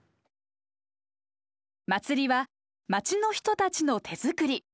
祭りは町の人たちの手作り。